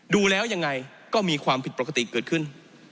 ดูแล้วยังไงก็มีความผิดปกติเกิดขึ้น